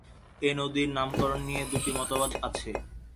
এ নদীর নামকরণ নিয়ে দুটি মতবাদ আছে।